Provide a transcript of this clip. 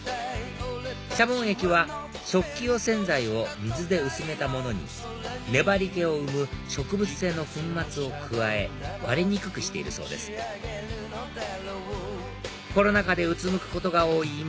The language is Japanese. シャボン液は食器用洗剤を水で薄めたものに粘り気を生む植物性の粉末を加え割れにくくしているそうですコロナ禍でうつむくことが多い